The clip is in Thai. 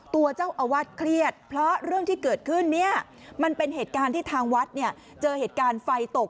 ตัวเจ้าอาวาสเครียดเพราะเรื่องที่เกิดขึ้นเนี่ยมันเป็นเหตุการณ์ที่ทางวัดเนี่ยเจอเหตุการณ์ไฟตก